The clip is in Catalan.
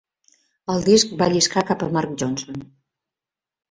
El disc va lliscar cap a Mark Johnson.